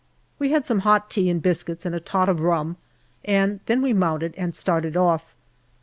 We had some hot tea and biscuits and a tot of rum, and then we mounted and started off.